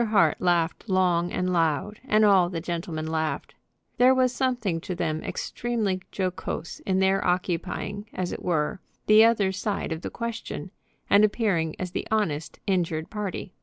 Hart laughed long and loud, and all the gentlemen laughed. There was something to them extremely jocose in their occupying, as it were, the other side of the question, and appearing as the honest, injured party.